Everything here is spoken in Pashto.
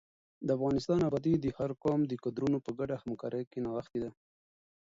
د افغانستان ابادي د هر قوم د کدرونو په ګډه همکارۍ کې نغښتې ده.